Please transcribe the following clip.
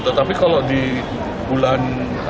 tetapi kalau di bulan